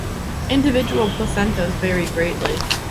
Individual placentas vary greatly.